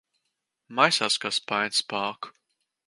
Maisās kā spainis pa aku.